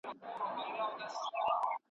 شاګرد به سبا په خپله مسوده کار کوي.